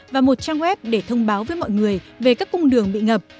và một trang web để thông báo với mọi người về các cung đường bị ngập